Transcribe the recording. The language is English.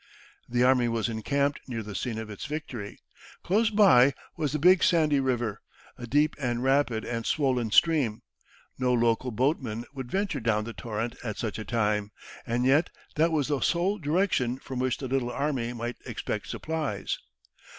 The army was encamped near the scene of its victory. Close by was the Big Sandy river, a deep and rapid and swollen stream. No local boatman would venture down the torrent at such a time. And yet that was the sole direction from which the little army might expect supplies.